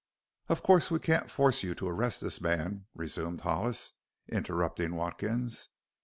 "Of course we can't force you to arrest this man," resumed Hollis, interrupting Watkins.